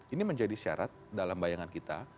ini menjadi syarat dalam bayangan kita